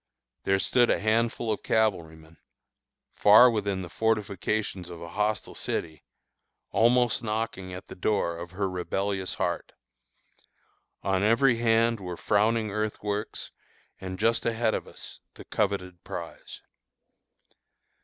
There stood a handful of cavalrymen, far within the fortifications of a hostile city, almost knocking at the door of her rebellious heart. On every hand were frowning earthworks, and just ahead of us the coveted prize.